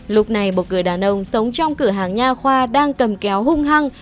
lúc này một người đàn ông sống trong cửa hàng nha khoa đang cầm kéo hung hăng